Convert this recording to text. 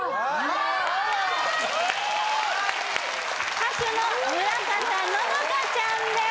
歌手の村方乃々佳ちゃんです